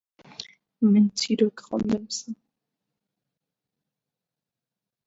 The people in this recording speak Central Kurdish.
من چیرۆکی خۆم دەنووسم.